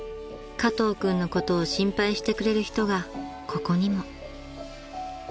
［加藤君のことを心配してくれる人がここにも］